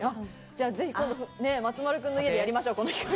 じゃぜひ今度ね松丸君の家でやりましょうこの企画。